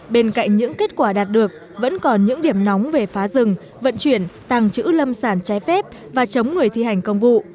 bên cạnh những kết quả đạt được vẫn còn những điểm nóng về phá rừng vận chuyển tàng trữ lâm sản trái phép và chống người thi hành công vụ